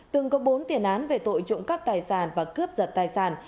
từng có bốn tiền án về tội trộm cắp tài sản và cướp giật tài sản